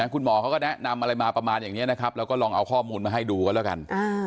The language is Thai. คุณหมอเขาก็แนะนำอะไรมาประมาณอย่างนี้นะครับแล้วก็ลองเอาข้อมูลมาให้ดูกันแล้วกัน